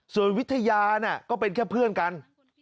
ส่วนวิทยาก็เป็นแค่เพื่อนกัน